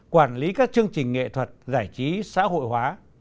quản lý các chương trình nghệ thuật giải trí xã hội hóa